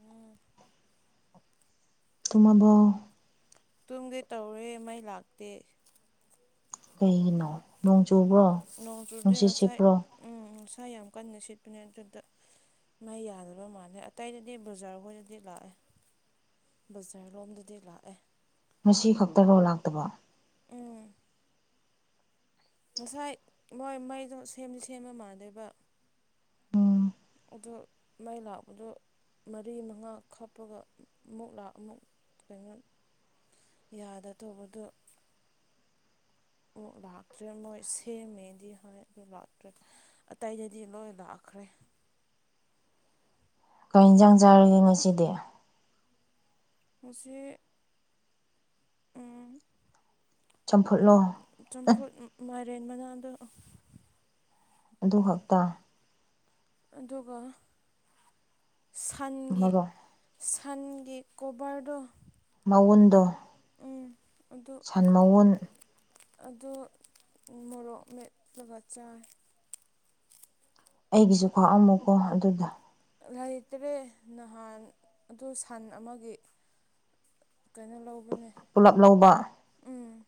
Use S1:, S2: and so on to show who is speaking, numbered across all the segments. S1: ꯎꯝ
S2: ꯇꯃꯕꯣ
S1: ꯇꯨꯝꯗꯦ ꯇꯧꯔꯦ ꯃꯩ ꯂꯥꯛꯇꯦ
S2: ꯀꯩꯒꯤꯅꯣ ꯅꯣꯡ ꯆꯨꯕ꯭ꯔꯣ
S1: ꯅꯣꯡ ꯆꯨꯗꯦ
S2: ꯅꯨꯡꯁꯤꯠ
S1: ꯉꯁꯥꯏ
S2: ꯁꯤꯠꯄ꯭ꯔꯣ
S1: ꯎꯝ ꯎ ꯁꯥꯥ ꯌꯥꯝ ꯀꯟꯅ ꯁꯤꯦꯠꯄꯅꯦ ꯑꯗꯨꯗ ꯃꯥꯏ ꯌꯥꯗ꯭ꯔ ꯃꯥꯜꯂꯦ ꯑꯇꯩꯗꯗꯤ ꯕꯖꯥꯔ ꯍꯣꯏꯗꯗꯤ ꯂꯥꯛꯑꯦ ꯕꯖꯥꯔ ꯂꯣꯝꯗꯗꯤ ꯂꯥꯛꯑꯦ
S2: ꯉꯁꯤ ꯈꯛꯇꯐꯧ ꯂꯥꯛꯇꯕꯣ
S1: ꯎꯥ ꯉꯁꯥꯏ ꯃꯣꯏ ꯃꯩꯗꯣ ꯁꯦꯝꯗꯤ ꯁꯦꯝꯕ ꯃꯥꯟꯗꯦꯕ
S2: ꯎꯝ
S1: ꯑꯗꯨ ꯃꯥꯏ ꯂꯥꯛꯄꯗꯨ ꯃꯔꯤ ꯃꯉꯥ ꯈꯥꯞꯄꯒꯥ ꯑꯃꯨꯛ ꯂꯥꯛ ꯑꯃꯨꯛ ꯀꯩꯅꯣ ꯌꯥꯗ ꯇꯧꯕꯗꯣ ꯑꯣ ꯂꯥꯛꯇ꯭ꯔꯦ ꯃꯣꯏ ꯁꯦꯝꯃꯦꯗꯤ ꯍꯥꯏ ꯑꯗꯨ ꯂꯥꯛꯇ꯭ꯔꯦ ꯑꯇꯩꯗꯗꯤ ꯂꯣꯏ ꯂꯥꯛꯈ꯭ꯔꯦ
S2: ꯀꯩ ꯏꯟꯖꯥꯡ ꯆꯥꯔꯒꯦ ꯉꯁꯤꯗꯤ
S1: ꯉꯁꯤ ꯎꯝ
S2: ꯆꯝꯐꯨꯠꯂꯣ
S1: ꯆꯝꯐꯨꯠ ꯃꯥꯏꯔꯦꯟ ꯃꯅꯥꯗꯣ
S2: ꯑꯗꯨ ꯈꯛꯇ
S1: ꯑꯗꯨꯒ ꯁꯟꯒꯤ
S2: ꯃꯔꯣꯛ
S1: ꯁꯟꯒꯤ ꯀꯣꯚꯔꯗꯣ
S2: ꯃꯎꯟꯗꯣ
S1: ꯎꯝ ꯑꯗꯨ
S2: ꯁꯟ ꯃꯎꯟ
S1: ꯑꯗꯨ ꯃꯣꯔꯣꯛ ꯃꯦꯠꯂꯒ ꯆꯥꯏ
S2: ꯑꯩꯒꯤꯁꯨ ꯈꯥꯛꯑꯝꯃꯨꯀꯣ ꯑꯗꯨꯗꯣ
S1: ꯂꯩꯇ꯭ꯔꯦ ꯅꯍꯥꯟ ꯑꯗꯨ ꯁꯟ ꯑꯃꯒꯤ ꯀꯩꯅꯣ ꯂꯧꯕꯅꯦ
S2: ꯄꯨꯂꯞ ꯂꯧꯕ
S1: ꯎꯝ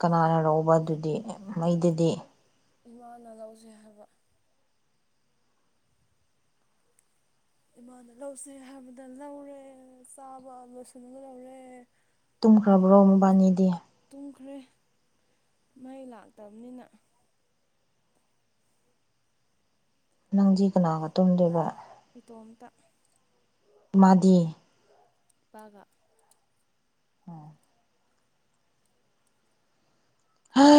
S2: ꯀꯅꯥꯅ ꯂꯧꯕ ꯑꯗꯨꯗꯤ ꯃꯩꯗꯗꯤ
S1: ꯏꯃꯥꯅ ꯂꯧꯖꯦ ꯍꯥꯏꯕ ꯏꯃꯥꯅ ꯂꯧꯁꯦ ꯍꯥꯏꯕꯗ ꯂꯧꯔꯦ ꯆꯥꯕ ꯂꯣꯏꯁꯤꯜꯂꯒ ꯂꯧꯔꯦ
S2: ꯇꯨꯝꯈ꯭ꯔꯕ꯭ꯔꯣ ꯃꯕꯥꯅꯤꯗꯤ
S1: ꯇꯨꯝꯈ꯭ꯔꯦ ꯃꯩ ꯂꯥꯛꯇꯕꯅꯤꯅ
S2: ꯅꯪꯗꯤ ꯀꯅꯥꯒ ꯇꯨꯝꯗꯣꯏꯕ
S1: ꯏꯇꯣꯝꯇ
S2: ꯃꯥꯗꯤ
S1: ꯥꯄꯥꯒ
S2: ꯑꯣꯝ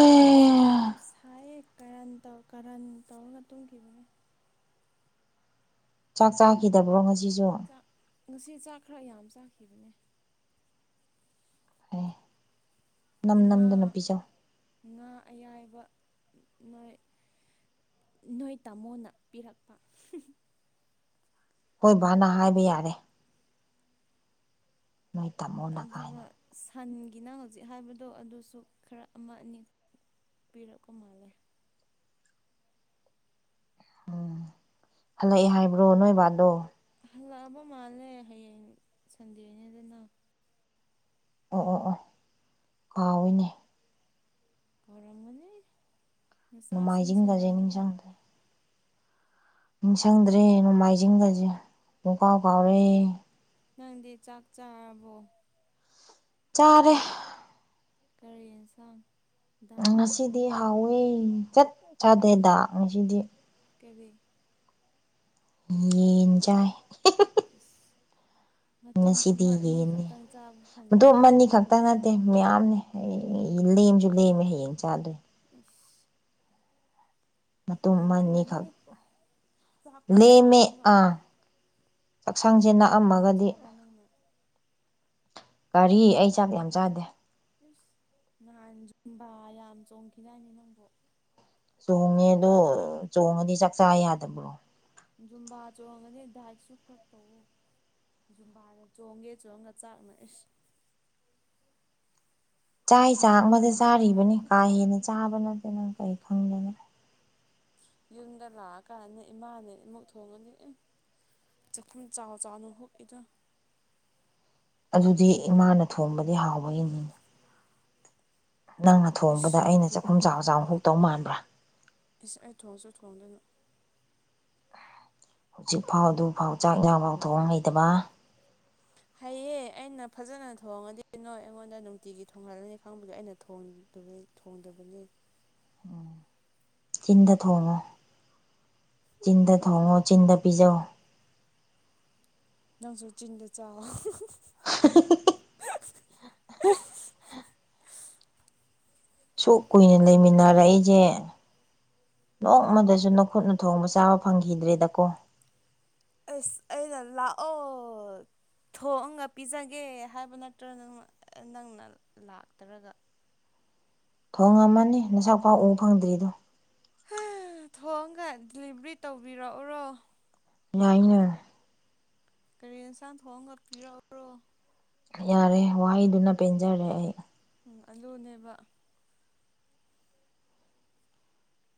S1: ꯌꯥꯝ ꯌꯥꯝ ꯁꯥꯏꯌꯦ ꯀꯔꯟ ꯇꯧꯔꯒ ꯇꯨꯝꯈꯤꯕꯅꯦ
S2: ꯆꯥꯛ ꯆꯥꯈꯤꯗꯕ꯭ꯔꯣ ꯉꯁꯤꯁꯨ
S1: ꯆꯥꯛ ꯉꯁꯤ ꯆꯥꯛ ꯈꯔ ꯌꯥꯝ ꯆꯥꯈꯤꯕꯅꯦ
S2: ꯑꯣ
S1: ꯉꯥ ꯉꯥ ꯑꯌꯥꯏꯕ ꯅꯣꯏ ꯇꯥꯃꯣꯅ ꯄꯤꯔꯛꯄ
S2: ꯍꯣꯏ ꯕꯥꯅ ꯍꯥꯏꯕ ꯌꯥꯔꯦ ꯅꯣꯏ ꯇꯥꯃꯣ
S1: ꯑꯗꯨꯒ ꯁꯟꯒꯤ ꯅꯪ ꯍꯧꯖꯤꯛ ꯍꯥꯏꯕꯗꯣ ꯑꯗꯨꯁꯨ ꯈꯔ ꯑꯃ ꯑꯅꯤ ꯄꯤꯔꯛꯄ ꯃꯥꯜꯂꯦ
S2: ꯎꯝ ꯍꯜꯂꯛꯑꯦ ꯍꯥꯏꯕ꯭ꯔꯣ ꯅꯣꯏꯕꯥꯗꯣ
S1: ꯍꯜꯂꯛꯑꯕ ꯃꯥꯜꯂꯦ ꯍꯌꯦꯡ ꯁꯟꯗꯦꯅꯦꯗꯅ
S2: ꯑꯣ ꯑꯣ ꯑꯣ ꯀꯥꯎꯋꯦꯅꯦ
S1: ꯀꯧꯔꯝꯒꯅꯤ ꯅꯆꯥꯁꯤꯡ
S2: ꯅꯣꯡꯃꯥꯏꯖꯤꯡꯒꯁꯦ
S1: ꯁꯦꯟꯅꯕꯗ
S2: ꯅꯤꯡꯁꯤꯡꯪꯗ꯭ꯔꯦ ꯅꯣꯡꯃꯥꯏꯖꯤꯡꯒꯖꯦ ꯄꯨꯡꯀꯥꯎ ꯀꯥꯎꯔꯦ
S1: ꯅꯪꯗꯤ ꯆꯥꯛ ꯆꯥꯔꯕꯣ
S2: ꯆꯥꯔꯦ
S1: ꯀꯔꯤ ꯏꯟꯁꯥꯡ
S2: ꯉꯁꯤꯗꯤ ꯍꯥꯎꯋꯤ ꯆꯠ ꯆꯥꯗꯦꯗ ꯉꯁꯤꯗꯤ
S1: ꯀꯔꯤ
S2: ꯌꯦꯟꯖꯥꯏ
S1: ꯏꯁꯁ ꯃꯇꯨꯝ
S2: ꯉꯁꯤꯗꯤ
S1: ꯑꯃ ꯑꯅꯤ
S2: ꯌꯦꯟꯅꯤ
S1: ꯈꯛꯇꯪ ꯆꯥꯕ
S2: ꯃꯇꯨꯝ
S1: ꯐꯪꯕꯗꯨꯕꯨ
S2: ꯑꯃꯅꯤ ꯈꯛꯇ ꯅꯠꯇꯦ ꯃꯌꯥꯝꯅꯦ ꯂꯦꯝꯁꯨ ꯂꯦꯝꯃꯦ ꯍꯌꯦꯡ ꯆꯥꯗꯣꯏ
S1: ꯏ
S2: ꯃꯇꯨꯝ
S1: ꯂꯦꯃꯝꯃꯅꯤ
S2: ꯑꯃꯅꯤꯈꯛ
S1: ꯆꯥꯛ ꯈꯨꯠꯆꯥꯥ ꯑꯗꯨꯒ
S2: ꯍꯛꯁꯥꯡꯁꯦ ꯅꯛꯑꯝꯃꯒꯗꯤ
S1: ꯑꯪꯅ
S2: ꯒꯥꯔꯤ ꯑꯩ ꯆꯥꯛꯗꯤ ꯌꯥꯝ ꯆꯥꯗꯦ
S1: ꯏꯁꯁ ꯅꯍꯥꯟ ꯌꯨꯝꯕ ꯌꯥꯝ ꯆꯣꯡꯈꯤꯅꯅꯤ ꯅꯪꯕꯨ
S2: ꯆꯣꯡꯉꯦ ꯑꯗꯣ ꯆꯣꯡꯉꯗꯤ ꯆꯥꯛꯆꯥꯥ ꯌꯥꯗꯕ꯭ꯔꯣ
S1: ꯖꯨꯝꯕꯥ ꯆꯣꯡꯉꯅꯤ ꯗꯥꯏꯛꯁꯨ ꯈꯔ ꯇꯧꯎ ꯖꯨꯝꯕꯥꯗ ꯆꯣꯡꯒꯦ ꯆꯣꯡꯒ ꯆꯥꯛꯅ
S2: ꯆꯥꯛ ꯆꯥꯛ ꯑꯃꯗ ꯆꯥꯔꯤꯕꯅꯤ ꯀꯥ ꯍꯦꯟꯅ ꯆꯥꯕ ꯅꯠꯇꯅ ꯀꯔꯤ ꯈꯪꯗꯅ
S1: ꯌꯨꯝꯗ ꯂꯥꯛꯑꯀꯥꯟꯗꯅꯦ ꯏꯃꯥꯅꯦ ꯑꯃꯃꯨꯛ ꯊꯣꯡꯉꯅꯤ ꯆꯥꯛꯈꯨꯝ ꯆꯥꯎ ꯆꯥꯎꯅ ꯍꯨꯛꯏꯅ
S2: ꯑꯗꯨꯗꯤ ꯏꯃꯥꯅ ꯊꯣꯡꯕꯗꯤ ꯍꯥꯎꯕꯒꯤꯅꯤ ꯅꯪꯅ ꯊꯣꯡꯕꯗ
S1: ꯏꯁ
S2: ꯑꯩꯅ ꯆꯥꯛꯈꯨꯝ ꯆꯥꯎ ꯆꯥꯎ ꯍꯨꯛꯇꯧ ꯃꯥꯟꯕ꯭ꯔꯥ
S1: ꯏꯁ ꯑꯩ ꯊꯣꯡꯁꯨ ꯊꯣꯡꯗꯣꯏꯅꯨ
S2: ꯍꯧꯖꯤꯛꯐꯥꯎ ꯑꯗꯨꯐꯥꯎ ꯆꯥꯛ ꯏꯟꯖꯥꯡꯐꯥꯎ ꯊꯣꯡ ꯂꯩꯇꯕ
S1: ꯍꯩꯌꯦ ꯑꯩꯅ ꯐꯖꯅ ꯊꯣꯡꯉꯗꯤ ꯅꯣꯏ ꯑꯩꯉꯣꯟꯗ ꯅꯨꯡꯇꯤꯒꯤ ꯊꯣꯡꯍꯜꯂꯅꯤ ꯈꯪꯕꯒꯤ ꯑꯩꯅ ꯊꯣꯡꯗꯕꯩ ꯊꯣꯡꯗꯕꯅꯦ
S2: ꯎꯝ ꯆꯤꯟꯗ ꯊꯣꯡꯉꯣ ꯆꯤꯟꯗ ꯊꯣꯡꯉꯣ ꯆꯤꯟꯗ ꯄꯤꯖꯧ
S1: ꯅꯪꯁꯨ ꯆꯤꯟꯗ ꯆꯥꯎ
S2: [inaudible] ꯁꯨꯛ ꯀꯨꯏꯅ ꯂꯩꯃꯤꯟꯅꯔꯛꯏꯁꯦ ꯅꯣꯡꯃꯗꯁꯨ ꯅꯈꯨꯠꯅ ꯊꯣꯡꯕ ꯆꯥꯕ ꯐꯪꯈꯤꯗ꯭ꯔꯦꯗꯀꯣ
S1: ꯑꯦꯁ ꯑꯩ ꯅ ꯂꯥꯛ ꯑꯣ ꯊꯣꯛꯑꯒ ꯄꯤꯖꯒꯦ ꯍꯥꯏꯕ ꯅꯠꯇ꯭ꯔ ꯅꯪ ꯅꯪꯅ ꯂꯥꯛꯇꯔꯒ
S2: ꯊꯣꯡꯉꯝꯃꯅꯤ ꯅꯁꯛ ꯄꯥꯎ ꯎ ꯐꯪꯗ꯭ꯔꯤꯗꯣ
S1: ꯊꯣꯛꯑꯒ ꯗꯤꯂꯤꯚ꯭ꯔꯤ ꯇꯧꯕꯤꯔꯛꯎꯔꯣ
S2: ꯌꯥꯏꯅꯦ
S1: ꯀꯔꯤ ꯌꯦꯟꯁꯥꯡ ꯊꯣꯡꯑꯒ ꯄꯤꯔꯛꯎꯔꯣ
S2: ꯌꯥꯔꯦ ꯋꯥꯍꯩꯗꯨꯅ ꯄꯦꯟꯖꯔꯦ ꯑꯩ
S1: ꯎꯝ ꯑꯗꯨꯅꯦꯕ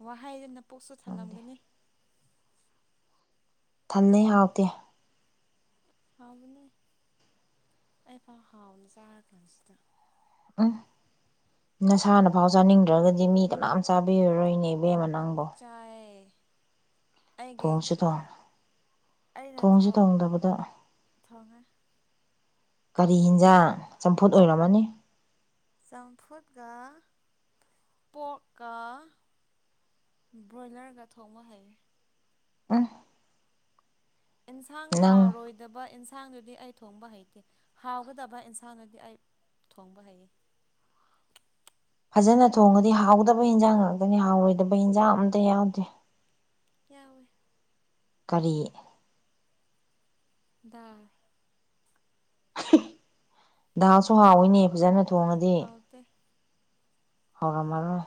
S1: ꯋꯥꯍꯩꯗꯨ ꯅ ꯄꯨꯛꯁꯨ
S2: ꯅꯪꯗꯤ
S1: ꯊꯜꯂꯝꯒꯅꯤ
S2: ꯊꯟꯅꯩ ꯍꯥꯎꯇꯦ
S1: ꯍꯥꯎꯕꯅꯦ ꯑꯩꯐꯥꯎ ꯍꯥꯎꯕꯅ ꯆꯥꯔꯀꯥꯟꯁꯤꯗ
S2: ꯎꯝ ꯅꯁꯥꯅ ꯐꯥꯎ ꯆꯥꯅꯤꯡꯗ꯭ꯔꯒꯗꯤ ꯃꯤ ꯀꯅꯥꯝ ꯆꯥꯕꯤꯔꯔꯣꯏꯅꯦ ꯏꯕꯦꯝꯃ ꯅꯪꯕꯣ
S1: ꯌꯥꯏꯌꯦ
S2: ꯊꯣꯡꯁꯤ ꯊꯣꯡ
S1: ꯑꯩꯅ
S2: ꯊꯣꯡꯁꯤ
S1: ꯊꯣꯡ
S2: ꯊꯣꯡꯗꯕꯗ
S1: ꯊꯣꯡꯉꯦ
S2: ꯀꯔꯤ ꯍꯤꯟꯖꯥꯡ ꯆꯝꯐꯨꯠ ꯑꯣꯏꯔꯝꯃꯅꯤ
S1: ꯆꯝꯐꯨꯠꯒ ꯄꯣꯛꯀ ꯕ꯭ꯔꯣꯏꯂꯔꯒ ꯊꯣꯡꯕ ꯍꯩ
S2: [unintelligible]
S1: ꯑꯦꯟꯁꯥꯡ
S2: ꯅꯪ
S1: ꯍꯥꯎꯔꯣꯏ ꯗꯕ ꯏꯟꯁꯥꯡꯗꯨꯗꯤ ꯑꯩ ꯊꯣꯡꯕ ꯍꯩꯇꯦ ꯍꯥꯎꯒꯗꯕ ꯏꯟꯁꯥꯡꯗꯨꯗꯤ ꯑꯩ ꯊꯣꯡꯕ ꯍꯩꯌꯦ
S2: ꯐꯖꯅ ꯊꯣꯡꯉꯗꯤ ꯍꯥꯎꯒꯗꯕ ꯏꯟꯖꯥꯡ ꯉꯥꯛꯇꯅꯤ ꯍꯥꯎꯔꯣꯏꯗꯕ ꯏꯟꯖꯥꯡ ꯑꯝꯇ ꯌꯥꯎꯗꯦ
S1: ꯌꯥꯎꯋꯦ
S2: ꯀꯔꯤ
S1: ꯗꯥꯏ
S2: ꯗꯥꯜꯁꯨ ꯍꯥꯎꯋꯤꯅꯦ ꯐꯖꯅ ꯊꯣꯡꯉꯗꯤ
S1: ꯍꯥꯎꯇꯦ
S2: ꯍꯧꯔꯝꯃꯔꯣꯏ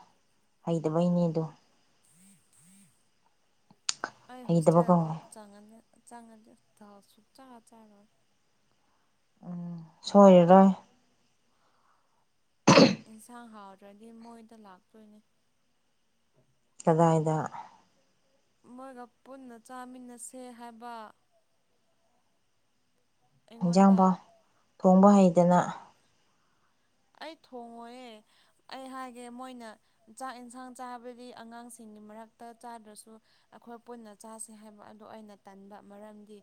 S2: ꯍꯩꯇꯕꯩꯅꯦ ꯑꯗꯨ
S1: ꯑꯩ
S2: ꯍꯩꯇꯕ
S1: ꯍꯣꯁꯇꯦꯜꯒ
S2: ꯀꯧꯋꯦ
S1: ꯆꯪꯉꯅꯤ ꯆꯪꯉꯗꯤ ꯗꯥꯜ ꯁꯨꯛꯆꯥ ꯆꯥꯔꯣꯏ
S2: ꯎꯝ ꯁꯣꯏꯔꯔꯣꯏ
S1: ꯌꯦꯟꯁꯥꯡ ꯍꯥꯎꯗ꯭ꯔꯗꯤ ꯃꯣꯏꯗ ꯂꯥꯛꯇꯣꯏꯅꯦ
S2: ꯀꯗꯥꯏꯗ
S1: ꯃꯣꯏꯒ ꯄꯨꯟꯅ ꯆꯥꯃꯤꯟꯅꯁꯦ ꯍꯥꯏꯕ ꯑꯩꯉꯣꯟꯗ
S2: ꯍꯤꯟꯖꯥꯡꯐꯥꯎ ꯊꯣꯡꯕ ꯍꯩꯗꯅ
S1: ꯑꯩ ꯊꯣꯡꯉꯣꯏꯌꯦ ꯑꯩ ꯍꯥꯏꯒꯦ ꯃꯣꯏꯅ ꯆꯥꯛ ꯏꯟꯁꯥꯡ ꯆꯥꯕꯗꯤ ꯑꯉꯥꯡꯁꯤꯡꯒꯤ ꯃꯔꯛꯇ ꯆꯥꯗ꯭ꯔꯁꯨ ꯑꯩꯈꯣꯏ ꯄꯨꯟꯅ ꯆꯁꯤ ꯍꯥꯏꯕ ꯑꯗꯨ ꯑꯩꯅ ꯇꯟꯕ ꯃꯔꯝꯗꯤ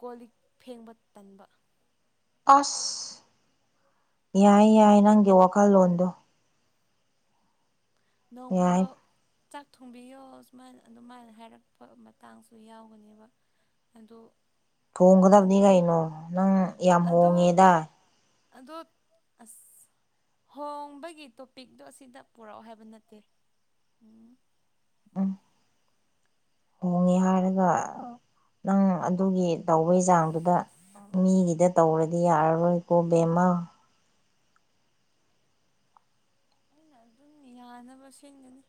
S1: ꯀꯣꯜ ꯂꯤꯛ ꯐꯦꯡꯕ ꯇꯟꯕ
S2: ꯑꯁ ꯌꯥꯏ ꯌꯥꯏ ꯅꯪꯒꯤ ꯋꯥꯈꯜꯂꯣꯟꯗꯨ
S1: ꯅꯣꯡ
S2: ꯌꯥꯏ
S1: ꯐꯥꯗꯣꯛ ꯆꯥꯛ ꯊꯣꯡꯕꯤꯌꯣ ꯁꯨꯃꯥꯏꯅ ꯑꯗꯨꯃꯥꯏꯅ ꯍꯥꯏꯔꯛꯄ ꯃꯇꯥꯡꯁꯨ ꯌꯥꯎꯒꯅꯦꯕ ꯑꯗꯣ
S2: ꯊꯣꯡꯒꯗꯕꯅꯤ ꯀꯩꯅꯣ ꯅꯪ ꯌꯥꯝ
S1: ꯑꯗꯣ
S2: ꯍꯣꯡꯉꯦꯗ
S1: ꯑꯗꯣ ꯑꯁ ꯍꯣꯡꯕꯒꯤ ꯇꯣꯄꯤꯛꯇꯣ ꯑꯁꯤꯗ ꯄꯨꯔꯛꯑꯣ ꯍꯥꯏꯕ ꯑꯗꯨ ꯅꯠꯇꯦ ꯎꯝ
S2: ꯎꯝ ꯍꯣꯡꯉꯦ ꯍꯥꯏꯔꯒ ꯅꯪ ꯑꯗꯨꯒꯤ ꯇꯧꯕꯩ ꯆꯥꯡꯗꯨꯗ ꯃꯤꯒꯤꯗ ꯇꯧꯔꯗꯤ ꯌꯥꯔꯔꯣꯏꯀꯣ ꯕꯦꯝꯃꯥ
S1: ꯑꯩꯅ ꯑꯗꯨꯝ ꯌꯥꯅꯕ ꯁꯦꯝꯒꯅꯤ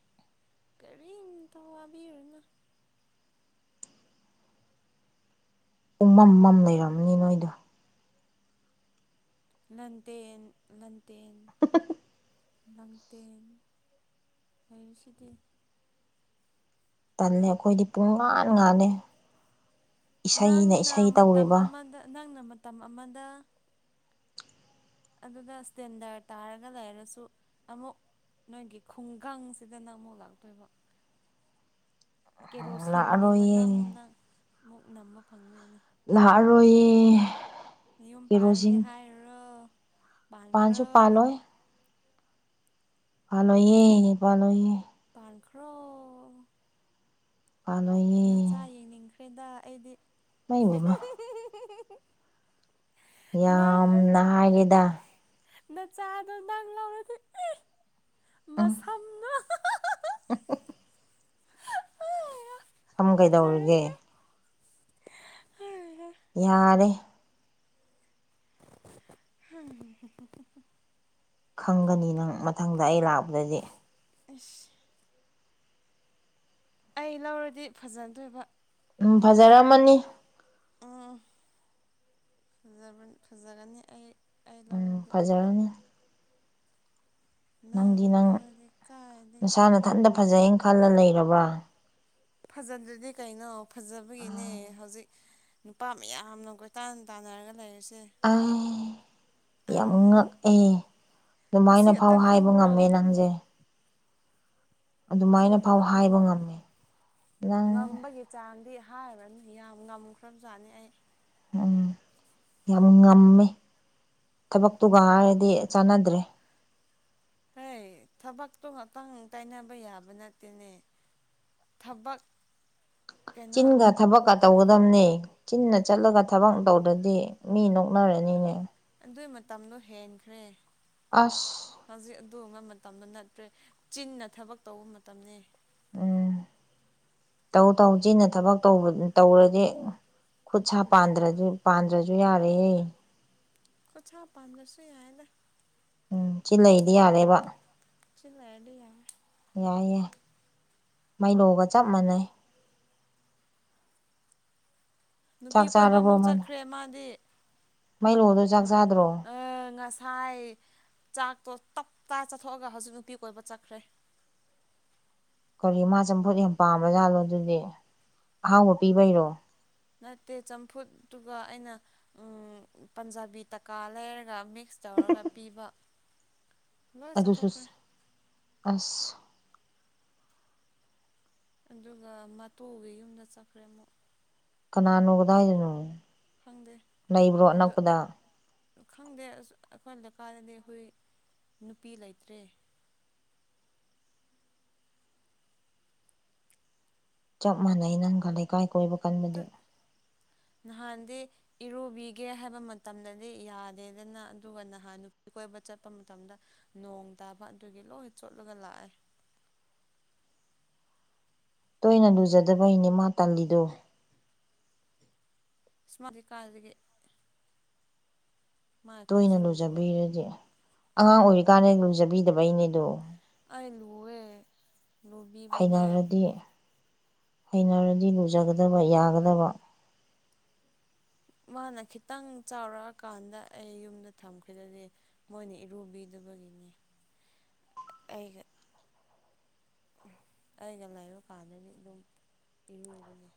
S1: ꯀꯔꯤꯝꯇ ꯋꯥꯕꯤꯔꯨꯅ
S2: ꯎꯃꯝ ꯃꯝ ꯂꯩꯔꯝꯅꯤ ꯅꯣꯏꯗꯣ
S1: ꯂꯟꯗꯦꯟ ꯂꯟꯗꯦꯟ ꯂꯥꯡꯗꯦꯟ ꯂꯩ ꯁꯤꯗꯤ
S2: ꯇꯜꯂꯦ ꯑꯩꯈꯣꯏꯗꯤ ꯄꯨꯡ ꯉꯥꯟ ꯉꯥꯜꯂꯦ ꯏꯁꯩꯅ
S1: ꯅꯪꯅ
S2: ꯏꯁꯩ
S1: ꯃꯇꯝ
S2: ꯇꯧꯔꯤꯕ
S1: ꯑꯃꯗ ꯅꯪꯅ ꯃꯇꯝ ꯑꯃꯗ ꯑꯗꯨꯗ ꯏꯁꯇꯦꯟꯗꯔ ꯇꯥꯔꯒ ꯂꯩꯔꯁꯨ ꯑꯃꯨꯛ ꯅꯣꯏꯒꯤ ꯈꯨꯡꯒꯪꯁꯤꯗꯅꯪ ꯑꯃꯨꯛ ꯂꯥꯛꯇꯣꯏꯕ ꯀꯦꯔꯣꯁꯤꯟꯒꯤ
S2: ꯂꯥꯛꯑꯔꯣꯏꯌꯦ
S1: ꯃꯅꯝꯅ ꯃꯨꯛ ꯅꯝꯕ ꯐꯪꯒꯣꯏꯅꯤ
S2: ꯂꯥꯔꯣꯏꯌꯦ
S1: ꯌꯨꯝ ꯄꯥꯜꯂꯒꯦ ꯍꯥꯏꯔꯨꯔꯣ ꯄꯥꯟꯈ꯭ꯔꯣ
S2: ꯄꯜꯂꯣꯏꯌꯦ ꯄꯜꯂꯣꯏꯌꯦ
S1: ꯄꯥꯟꯈ꯭ꯔꯣ
S2: ꯄꯥꯜꯂꯣꯏꯌꯦ
S1: ꯅꯆꯥ ꯌꯦꯡꯅꯤꯡꯈ꯭ꯔꯦꯗ ꯑꯩꯗꯤ
S2: ꯏꯃꯥꯏ ꯄꯦꯝꯃ
S1: ꯅꯪ
S2: ꯌꯥꯝꯅ ꯍꯥꯏꯒꯦꯗ
S1: ꯅꯆꯥꯗꯣ ꯅꯪ ꯂꯧꯔꯗꯤ
S2: ꯎꯝ
S1: ꯃꯁꯝꯗꯣ
S2: [unintelligible] ꯁꯣꯝ ꯒꯩꯗꯧꯔꯤꯒꯦ
S1: ꯐꯖꯔꯅꯤ
S2: ꯌꯥꯔꯦ
S1: ꯍ
S2: ꯈꯪꯒꯅꯤ ꯅꯪ ꯃꯊꯪꯗ ꯑꯩ ꯂꯥꯛꯄꯗꯗꯤ
S1: ꯑꯁ ꯑꯩ ꯂꯧꯔꯗꯤ ꯐꯖꯟꯗꯣꯏꯕ
S2: ꯎꯝ ꯐꯖꯔꯝꯃꯅꯤ
S1: ꯎꯝ ꯐꯖꯕꯅꯤ ꯐꯖꯒꯅꯤ ꯑꯩ ꯑꯩ ꯂꯧꯔꯗꯤ
S2: ꯑ
S1: ꯅꯪ ꯂꯔꯗꯤ ꯀꯥꯏꯗꯒꯤ
S2: ꯏꯊꯟꯇ ꯐꯖꯍꯅ ꯈꯜꯂ ꯂꯩꯔꯕ꯭ꯔꯥ
S1: ꯐꯖꯗ꯭ꯔꯗꯤ ꯀꯩꯅꯣ ꯐꯖꯕꯒꯤꯅꯦ ꯍꯧꯖꯤꯛ ꯅꯨꯄꯥ ꯃꯌꯥꯝꯅ ꯀꯣꯏꯇꯥꯟ ꯇꯥꯟꯅꯔꯒ ꯂꯩꯔꯤꯁꯦ
S2: ꯑ ꯌꯥꯝ ꯉꯛꯑꯦ
S1: ꯉꯁꯤ
S2: ꯑꯗꯨꯃꯥꯏꯅ ꯐꯥꯎ
S1: ꯈꯛꯇꯪ
S2: ꯍꯥꯏꯕ
S1: ꯈꯪꯕ꯭ꯔꯣ
S2: ꯉꯝꯃꯦ ꯅꯪꯁꯦ
S1: ꯁꯤ
S2: ꯑꯗꯨꯃꯥꯏꯅ
S1: ꯈꯛꯇꯪ
S2: ꯐꯥꯎ ꯍꯥꯏꯕ
S1: ꯈꯪꯕ꯭ꯔꯣ
S2: ꯉꯝꯃꯦ ꯅꯪ
S1: ꯉꯝꯕꯒꯤ ꯆꯥꯡꯗꯤ ꯍꯥꯏꯔꯕꯅꯨ ꯌꯥꯝ ꯉꯝꯃꯈ꯭ꯔꯕ ꯆꯠꯅꯤ ꯑꯩ
S2: ꯎꯝ ꯌꯥꯝ ꯉꯝꯃꯦ ꯊꯕꯛꯇꯨꯒ ꯍꯥꯏꯔꯗꯤ ꯆꯥꯟꯅꯗ꯭ꯔꯦ
S1: ꯍꯦꯏ ꯊꯕꯛꯇꯣ ꯉꯥꯛꯇꯪ ꯇꯥꯏꯅꯕ ꯌꯥꯕ ꯅꯠꯇꯦꯅꯦ ꯊꯕꯛ ꯀꯩꯅꯣ
S2: ꯆꯤꯟꯒ ꯊꯕꯛꯀ ꯇꯧꯒꯗꯝꯕꯅꯤ ꯆꯤꯟꯅ ꯆꯠꯂꯒ ꯊꯕꯛ ꯇꯧꯗ꯭ꯔꯗꯤ ꯃꯤ ꯅꯣꯛꯅꯔꯅꯤꯅꯦ
S1: ꯑꯗꯨꯏ ꯃꯇꯝꯗꯣ ꯍꯦꯟꯈ꯭ꯔꯦ
S2: ꯑꯁ
S1: ꯍꯧꯖꯤꯛ ꯑꯗꯨꯕ ꯃꯇꯝꯗ ꯅꯠꯇ꯭ꯔꯦ ꯆꯤꯟꯅ ꯊꯕꯛ ꯇꯧꯕ ꯃꯇꯝꯅꯤ
S2: ꯎꯝ ꯇꯧ ꯇꯧ ꯆꯤꯟꯅ ꯊꯕꯛ ꯇꯧꯔꯗꯤ ꯈꯨꯠ ꯁꯥ ꯄꯥꯟꯗ꯭ꯔ ꯄꯥꯟꯗ꯭ꯔꯁꯨ ꯌꯥꯔꯦꯌꯦꯦ
S1: ꯀꯣ ꯆꯥꯎ ꯄꯥꯟꯗꯁꯨ ꯌꯥꯏꯗ
S2: ꯎꯝ ꯁꯤ ꯂꯩꯗꯤ ꯌꯥꯔꯦꯕ
S1: ꯁꯤ ꯂꯩꯗꯤꯌꯥ
S2: ꯌꯥꯏꯌꯦ ꯃꯩꯂꯣꯒ ꯆꯞ ꯃꯥꯟꯅꯩ
S1: ꯅꯨꯄꯤ
S2: ꯆꯥꯛ
S1: ꯀꯣꯏꯕ
S2: ꯆꯥꯔꯕꯣ
S1: ꯑꯃꯨꯛ
S2: ꯃꯩꯂꯣ
S1: ꯆꯠꯈ꯭ꯔꯦ ꯃꯥꯗꯤ
S2: ꯃꯩꯂꯣꯗꯣ ꯆꯥꯛ ꯆꯥꯗ꯭ꯔꯣ
S1: ꯑ ꯉꯁꯥꯏ ꯆꯥꯛꯇꯣ ꯇꯞꯇꯥ ꯆꯠꯊꯣꯛꯑꯒ ꯍꯧꯖꯤꯛ ꯅꯨꯄꯤ ꯀꯣꯏꯕ ꯆꯠꯈ꯭ꯔꯦ
S2: ꯀꯔꯤ ꯃꯥ ꯆꯝꯐꯨꯠ ꯌꯥꯝ ꯄꯥꯝꯕꯖꯥꯠꯂꯣ ꯑꯗꯨꯗꯤ ꯑꯍꯥꯎꯕ ꯄꯤꯕꯩꯔꯣ
S1: ꯅꯠꯇꯦ ꯆꯝꯐꯨꯠꯇꯨꯒ ꯑꯩꯅ ꯄꯟꯖꯥꯕꯤ ꯇꯀꯥ ꯂꯩꯔꯒ ꯃꯤ ꯃꯤꯛꯁ ꯇꯧꯔꯒ ꯄꯤꯕ ꯂꯣꯏ
S2: ꯑꯗꯨꯁꯨ
S1: ꯆꯠꯊꯣꯛꯈ꯭ꯔꯦ
S2: ꯑꯁ
S1: ꯑꯗꯨꯒ ꯃꯇꯨꯒꯤ ꯌꯨꯝꯗ ꯆꯠꯈ꯭ꯔꯦ ꯑꯃꯨꯛ
S2: ꯀꯅꯥꯅꯣ ꯀꯗꯥꯋꯥꯏꯗꯅꯣ
S1: ꯈꯪꯗꯦ
S2: ꯂꯩꯕ꯭ꯔꯣ
S1: ꯑꯗꯨ
S2: ꯑꯅꯛꯄꯗ
S1: ꯈꯪꯗꯦ ꯑꯁ ꯑꯩꯈꯣꯏ ꯂꯩꯀꯥꯗꯗꯤ ꯍꯈꯣꯏ ꯅꯨꯄꯤ ꯂꯩꯇ꯭ꯔꯦ
S2: ꯆꯞ ꯃꯥꯟꯅꯩ ꯅꯪꯒ ꯂꯩꯀꯥꯏ ꯀꯣꯏꯕ ꯀꯟꯕꯗꯤ
S1: ꯅꯍꯥꯟꯗ ꯏꯔꯨꯕꯤꯒꯦ ꯍꯥꯏꯕ ꯃꯇꯝꯗꯗꯤ ꯌꯥꯗꯦꯗꯅ ꯑꯗꯨꯒ ꯅꯍꯥꯟ ꯅꯨꯄꯤ ꯀꯣꯏꯕ ꯆꯠꯄ ꯃꯇꯝꯗ ꯅꯣꯡ ꯇꯥꯕ ꯑꯗꯨꯒꯤ ꯂꯣꯏ ꯆꯣꯠꯂꯒ ꯂꯥꯛꯑꯦ
S2: ꯇꯣꯏꯅ ꯂꯨꯖꯗꯕꯩꯅꯦ ꯃꯥ ꯇꯥꯜꯂꯤꯗꯣ
S1: ꯁꯃꯥꯇ ꯀꯥꯗꯒꯤ ꯃꯥꯏ
S2: ꯇꯣꯏꯅ
S1: ꯈꯨꯖꯤꯟꯗꯨꯒ
S2: ꯂꯨꯖꯕꯤꯔꯗꯤ ꯑꯉꯥꯡ ꯑꯣꯏꯔꯤꯀꯥꯟꯗ ꯂꯨꯖꯕꯤꯗꯕꯩꯅꯦꯗꯣ
S1: ꯑꯩ ꯂꯨꯋꯦ ꯂꯨꯕꯤꯕꯅꯦ
S2: ꯍꯩꯅꯔꯗꯤ ꯍꯩꯅꯔꯗꯤ ꯂꯨꯖꯒꯗꯕ ꯌꯥꯒꯗꯕ
S1: ꯃꯥꯅ ꯈꯤꯇꯪ ꯆꯥꯎꯔꯛꯑꯀꯥꯟꯗ ꯑꯩ ꯌꯨꯝꯗ ꯊꯝꯈꯤꯗꯗꯤ ꯃꯣꯏꯅ ꯏꯔꯨꯕꯤꯗꯨꯕꯒꯤꯅꯤ ꯑꯩꯒ ꯑꯩꯅ ꯂꯩꯥꯏꯔꯨꯀꯥꯟꯗꯗꯤ ꯑꯗꯨꯝ ꯏꯔꯨꯕꯅꯦ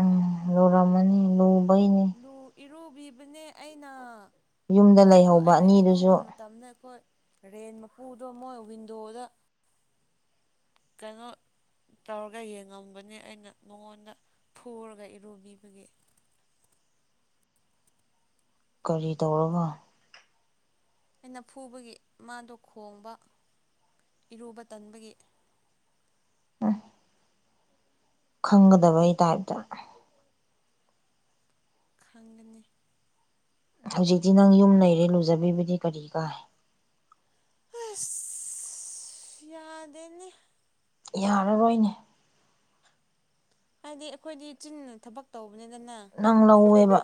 S2: ꯎꯝ ꯂꯨꯔꯝꯃꯅꯤ ꯂꯨꯕꯩꯅꯤ
S1: ꯑꯨ ꯏꯔꯨꯕꯤꯕꯅꯦ ꯑꯩꯅ
S2: ꯌꯨꯝꯗ
S1: ꯑꯣ
S2: ꯂꯩꯍꯧꯕ
S1: ꯑꯩꯅ ꯏꯔꯨꯕ
S2: ꯑꯅꯤꯗꯨꯁꯨ
S1: ꯃꯇꯝꯗ ꯑꯩꯈꯣꯏ ꯔꯦꯟ ꯃꯄꯨꯗꯣ ꯃꯣꯏ ꯋꯤꯟꯗꯣꯗ ꯀꯩꯅꯣ ꯇꯧꯔꯒ ꯌꯦꯡꯉꯝꯕꯅꯦ ꯑꯩꯅ ꯃꯉꯣꯟꯗ ꯐꯨꯔꯒ ꯏꯔꯨꯕꯤꯕꯒꯤ
S2: ꯀꯔꯤ ꯇꯧꯔꯒ
S1: ꯑꯩꯅ ꯐꯨꯕꯒꯤ ꯃꯥꯗꯣ ꯈꯣꯡꯕ ꯏꯔꯨꯕ ꯇꯟꯕꯒꯤ
S2: ꯎꯝ ꯈꯪꯒꯗꯕꯩ ꯇꯥꯏꯞꯇ
S1: ꯈꯪꯒꯅꯤ
S2: ꯍꯧꯖꯤꯛꯇꯤ ꯅꯪ ꯌꯨꯝ ꯂꯩꯔꯦ ꯂꯨꯖꯕꯤꯕꯨꯗꯤ ꯀꯔꯤ ꯀꯥꯏ
S1: ꯌꯥꯗꯦꯅꯦ
S2: ꯌꯥꯔꯔꯣꯏꯅꯦ
S1: ꯍꯥꯏꯗꯤ ꯑꯩꯈꯣꯏꯗꯤ ꯆꯤ ꯊꯕꯛ ꯇꯧꯕꯅꯤꯗꯅ
S2: ꯅꯪ ꯂꯧꯋꯦꯕ